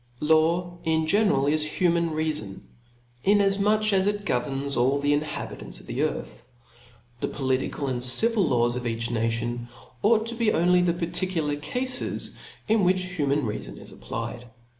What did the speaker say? Law in general is human reafon, inafmuch as )t governs all the inhabitants of the earth ; the *^"^. political OF LAWS. ^ ocJitical and civil laws of each nation ought to be Bo o^ pnly the particular cafes in which human reafon is qhap. 3. applied.